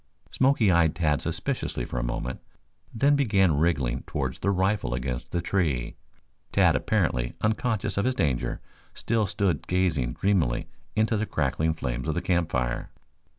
Smoky eyed Tad suspiciously for a moment, then began wriggling towards the rifle against the tree. Tad, apparently unconscious of his danger, still stood gazing dreamily into the crackling flames of the campfire.